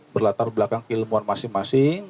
berlatar belakang keilmuan masing masing